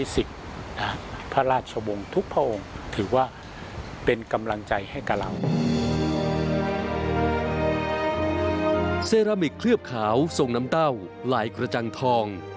เซรามิกเคลือบขาวทรงน้ำเต้าลายกระจังทอง